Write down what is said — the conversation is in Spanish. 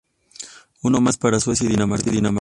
Uno más para Suecia y Dinamarca.